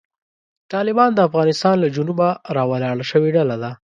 طالبان د افغانستان له جنوبه راولاړه شوې ډله ده.